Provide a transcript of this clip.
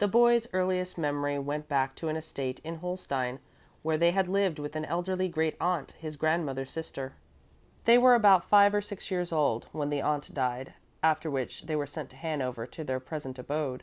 The boy's earliest memory went back to an estate in Holstein where they had lived with an elderly great aunt, his grandmother's sister. They were about five or six years old when the aunt died, after which they were sent to Hanover to their present abode.